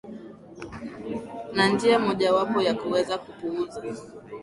na njia moja wapo ya kuweza kupuza